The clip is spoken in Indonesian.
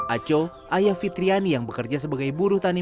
aco ayah fitriani yang bekerja sebagai buruh tani